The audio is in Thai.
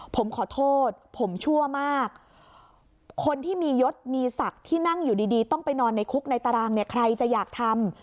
ผมขอโทษผมชั่วมากคนที่มียศมีศักดิ์ที่นั่งอยู่ดีต้องไปนอนในคุกในตารางเนี่ยใครจะอยากทำ